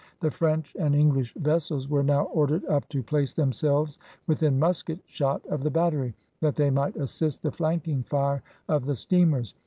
The French and English vessels were now ordered up to place themselves within musket shot of the battery, that they might assist the flanking fire of the steamers.